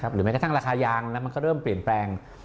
หรือแม้กระทั่งราคายางมันก็เริ่มเปลี่ยนแปลง